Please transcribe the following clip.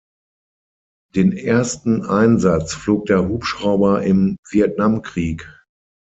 Den ersten Einsatz flog der Hubschrauber im Vietnamkrieg.